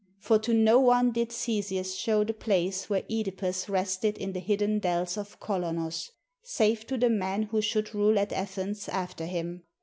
For to no one did Theseus show the place where (Edipus rested in the hidden dells of Kolonos, save to the man who should rule at Athens after him.